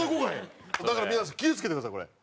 だから皆さん気ぃ付けてくださいこれ。